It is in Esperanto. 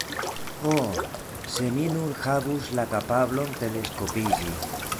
Ho, se mi nur havus la kapablon teleskopiĝi.